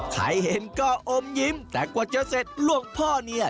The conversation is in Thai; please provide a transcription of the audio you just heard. ใครเห็นก็อมยิ้มแต่กว่าจะเสร็จหลวงพ่อเนี่ย